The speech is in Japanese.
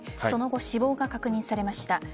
その後、死亡が確認されました。